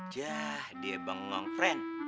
jah dia bengong pren